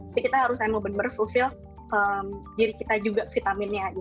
jadi kita harus benar benar fulfill diri kita juga vitaminnya